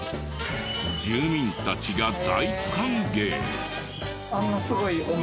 住民たちが大歓迎！